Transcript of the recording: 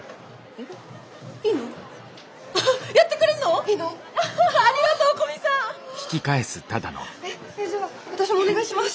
えっじゃあ私もお願いします！